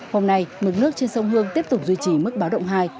hôm nay mực nước trên sông hương tiếp tục duy trì mức báo động hai